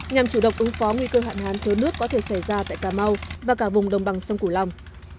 nhằm chủ động ứng phó nguy cơ hạn hán thớ nước có thể xảy ra tại cà mau và cả vùng đồng bằng sông cửu long